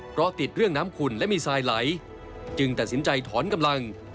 เพราะติดเรื่องน้ำขุ่นและมีทรายไหลจึงตัดสินใจถอนกำลัง